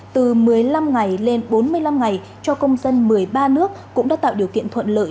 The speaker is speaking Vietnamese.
từ một mươi năm ngày lên bốn mươi năm ngày cho công dân một mươi ba nước cũng đã tạo điều kiện thuận lợi